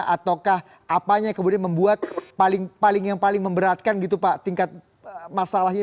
atau apanya yang membuat paling memberatkan tingkat masalahnya